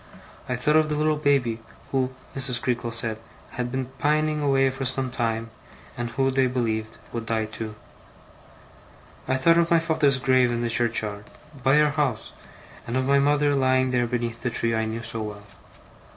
I thought of the little baby, who, Mrs. Creakle said, had been pining away for some time, and who, they believed, would die too. I thought of my father's grave in the churchyard, by our house, and of my mother lying there beneath the tree I knew so well.